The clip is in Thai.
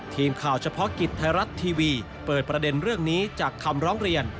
ทีมข่าวเฉพาะกิจไทยรัฐทีวีเปิดประเด็นเรื่องนี้จากคำร้องเรียน